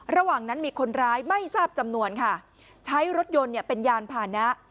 ระหว่างนั้นมีคนร้ายไม่ทราบจำนวนค่ะใช้รถยนต์เนี่ยเป็นยานผ่านนะ